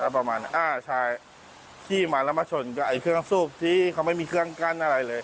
ประมาณอ้าชายที่มาแล้วมาชนกับไอ้เครื่องสูบที่เขาไม่มีเครื่องกั้นอะไรเลย